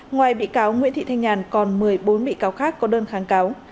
ngoài bị cáo nguyễn thị thanh nhàn còn một mươi bốn bị cáo khác có đơn kháng cáo